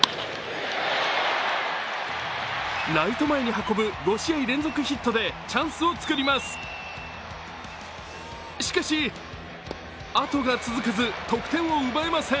ライト前に運ぶ５試合連続ヒットでチャンスを作ります。